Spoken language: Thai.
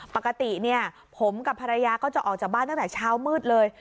ปกติเนี่ยผมกับภรรยาก็จะออกจากบ้านตั้งแต่เช้ามืดเลย